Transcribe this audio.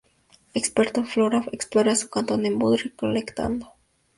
Experto en flora, explora su cantón de Vaud, recolectando material para el herbario cantonal.